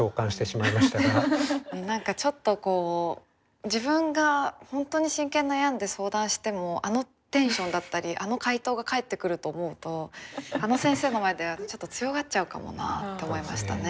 何かちょっとこう自分が本当に真剣に悩んで相談してもあのテンションだったりあの回答が返ってくると思うとあの先生の前ではちょっと強がっちゃうかもなあって思いましたね。